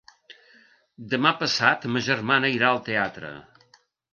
Demà passat ma germana irà al teatre.